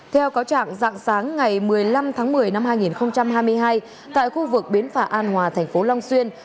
theo cáo trạng dạng sáng ngày một mươi năm tháng một mươi năm hai nghìn hai mươi hai tại khu vực biến phả an hòa tp long xuyên